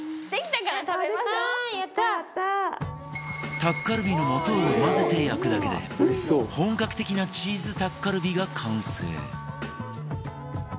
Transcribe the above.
タッカルビの素を混ぜて焼くだけで本格的なチーズタッカルビが完成